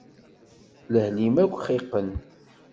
Lehl-im akk xiqen.